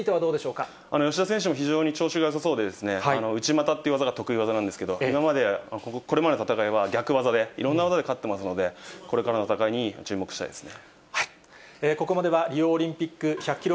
芳田選手も非常に調子がよさそうで、内股っていう技が得意技なんですけれども、これまでの戦いは逆技で、いろんな技で勝ってますので、これからの戦いに注目したいですね。